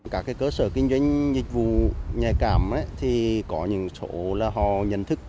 các cơ sở kinh doanh dịch vụ nhạy cảm có những chỗ là họ nhận thức